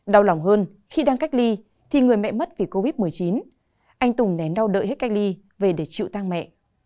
đau lòng hơn khi đang cách ly thì người mẹ mất vì covid một mươi chín anh tùng nén đau đợi hết cách ly về để chịu tang mẹ